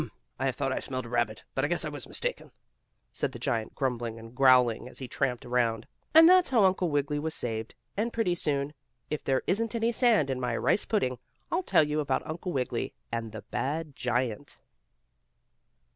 I thought I smelled a rabbit, but I guess I was mistaken," said the giant, grumbling and growling, as he tramped around. And that's how Uncle Wiggily was saved, and pretty soon, if there isn't any sand in my rice pudding, I'll tell you about Uncle Wiggily and the bad giant.